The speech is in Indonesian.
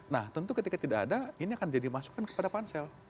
nah tentu ketika tidak ada ini akan jadi masukan kepada pansel